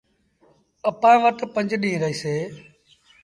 اَپآن وٽ پنج ڏيٚݩهݩ رهيٚسي۔